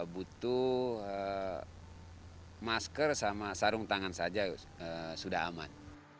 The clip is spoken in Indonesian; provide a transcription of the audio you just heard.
butuh masker sama sarung tangan saja sudah aman